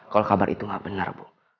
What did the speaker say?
kalau kabar itu nggak benar bu